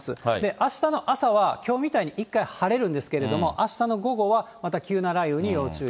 あしたの朝はきょうみたいに一回晴れるんですけれども、あしたの午後はまた急な雷雨に要注意。